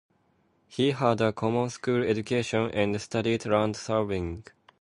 He had a common-school education, and studied land surveying.